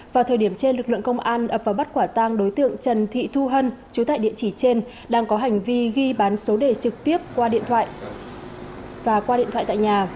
vào thời điểm trên lực lượng công an ập vào bắt quả tang đối tượng trần thị thu hân chú tại địa chỉ trên đang có hành vi ghi bán số đề trực tiếp qua điện thoại và qua điện thoại tại nhà